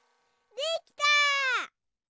できた！